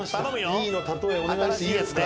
２位の例えお願いしていいですか。